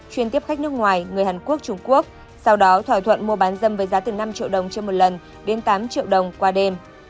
chuyên tiếp khách nước ngoài người hàn quốc trung quốc sau đó thỏa thuận mua bán dâm với giá từ năm triệu đồng trên một lần đến tám triệu đồng qua đêm